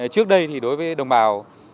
trước đây đối với đồng bào